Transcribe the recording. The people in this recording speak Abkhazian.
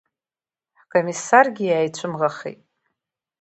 Ҳкомиссаргьы иааицәымыӷхеит.